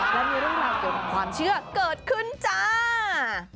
และมีเรื่องราวเกี่ยวกับความเชื่อเกิดขึ้นจ้า